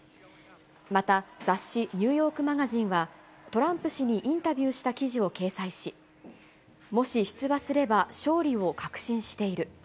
また、雑誌、ニューヨークマガジンは、トランプ氏にインタビューした記事を掲載し、もし出馬すれば、勝利を確信している。